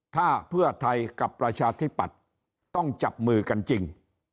ถ้าเพื่อไทยกับประชาธิปัตย์ต้องจับมือกันจริง